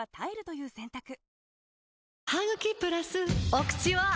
お口は！